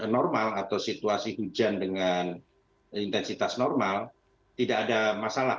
normal atau situasi hujan dengan intensitas normal tidak ada masalah